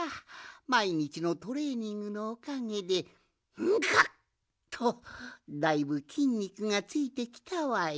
まいにちのトレーニングのおかげでガッとだいぶきんにくがついてきたわい。